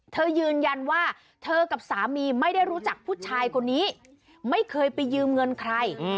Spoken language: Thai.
ยืนยันว่าเธอกับสามีไม่ได้รู้จักผู้ชายคนนี้ไม่เคยไปยืมเงินใคร